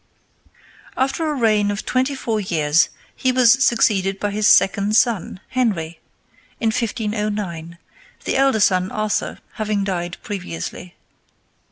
] After a reign of twenty four years he was succeeded by his second son, Henry, in 1509, the elder son, Arthur, having died previously.